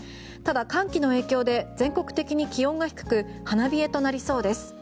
ただ、寒気の影響で全国的に気温が低く花冷えとなりそうです。